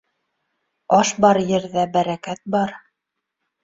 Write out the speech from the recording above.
Аш бар ерҙә бәрәкәт бар.